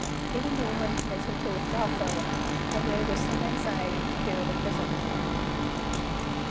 Giving the woman permission to withdraw for a while, I waited with some anxiety to hear what the Prisoner wanted of me.